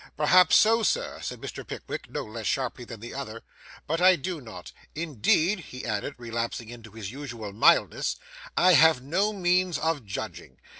'Perhaps so, sir,' said Mr. Pickwick, no less sharply than the other, 'but I do not. Indeed,' he added, relapsing into his usual mildness, 'I have no means of judging.